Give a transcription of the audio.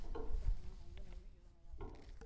El jugador comienza por la elección de un casino.